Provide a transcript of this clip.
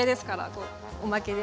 こうおまけで。